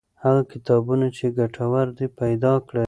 هغه کتابونه چې ګټور دي پیدا کړئ.